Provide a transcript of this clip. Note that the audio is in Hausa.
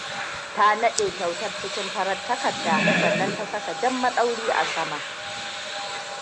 Ta naɗe kyautar cikin farar takarda sannan ta saka jan maɗauri a sama.